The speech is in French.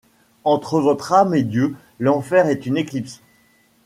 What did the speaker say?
Entre votre âme et Dieu ; l’enfer est une éclipse ;